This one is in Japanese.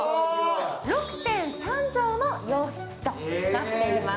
６．３畳の洋室となっています。